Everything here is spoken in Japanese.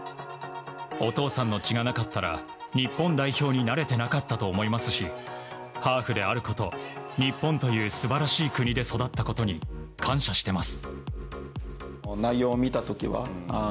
お父さんの血がなかったら日本代表になれてなかったと思いますしハーフであること日本という素晴らしい国で育ったことに感謝してます。